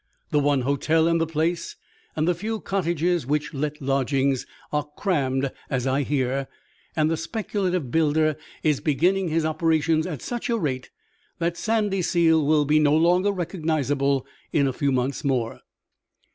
The one hotel in the place, and the few cottages which let lodgings, are crammed, as I hear, and the speculative builder is beginning his operations at such a rate that Sandyseal will be no longer recognizable in a few months more.